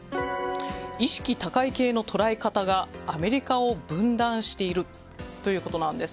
意識高い系の捉え方がアメリカを分断しているということなんです。